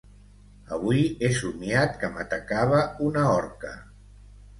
Avui he somiat que m'atacava una orca.